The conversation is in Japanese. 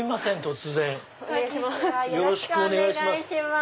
よろしくお願いします。